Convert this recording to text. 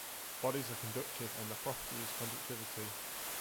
Bodies are conductive and their property is conductivity.